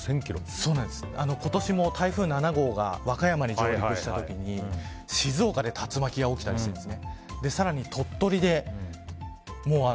今年も台風７号が和歌山に上陸した時に静岡で竜巻が起きたりしているんです。